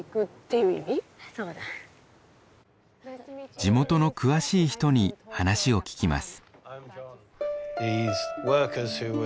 地元の詳しい人に話を聞きます。